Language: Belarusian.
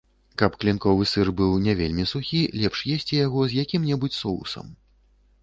Каб клінковы сыр быў не вельмі сухі, лепш есці яго з якім-небудзь соусам.